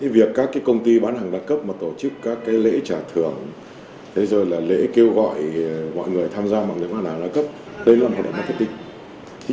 việc các công ty bán hàng đa cấp mà tổ chức các lễ trả thưởng lễ kêu gọi mọi người tham gia mạng lễ mạng đa cấp đây là một hội đồng marketing